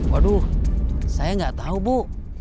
waduh saya gak tau bu